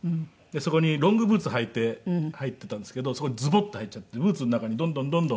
そこにロングブーツ履いて入っていたんですけどそこにズボッと入っちゃってブーツの中にどんどんどんどん。